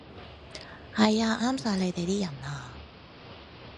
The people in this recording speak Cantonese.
係啊，啱晒你呢啲人啊